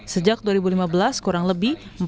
sejak dua ribu lima belas kurang lebih